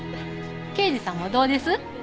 刑事さんもどうです？